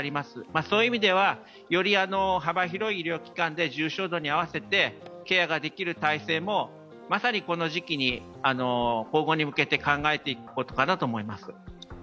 そういう意味では、より幅広い医療機関で重症度に合わせてケアができる体制も、まさにこの時期に今後に向けて考えていくことかなと思います。